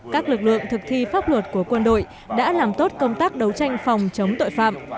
các lực lượng thực thi pháp luật của quân đội đã làm tốt công tác đấu tranh phòng chống tội phạm